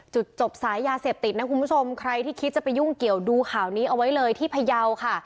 จุดจบสายยาเสพติดนะคุณผู้ชมใครที่คิดจะไปยุ่งเกี่ยวดูข่าวนี้เอาไว้เลยที่พยาวค่ะ